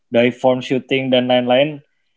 daiform shooting dan lain lain